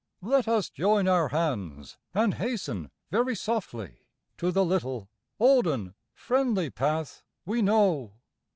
Let us join our hands and hasten very softly To the little, olden, friendly path we know.